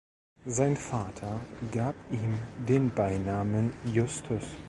Sein Vater gab ihm den Beinamen "Justus".